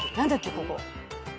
ここ。